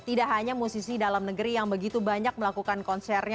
tidak hanya musisi dalam negeri yang begitu banyak melakukan konsernya